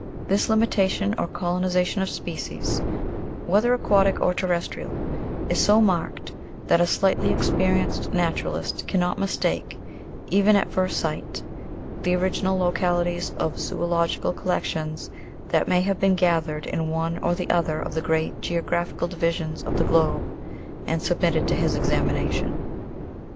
This limitation or colonization of species, whether aquatic or terrestrial, is so marked, that a slightly experienced naturalist cannot mistake, even at first sight, the original localities of zoological collections that may have been gathered in one or the other of the great geographical divisions of the globe, and submitted to his examination.